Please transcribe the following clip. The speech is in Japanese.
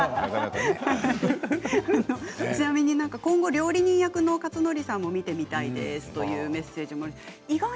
ちなみに今後、料理人役の克典さんも見てみたいですというメッセージも。